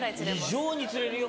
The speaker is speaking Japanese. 異常に釣れるよ。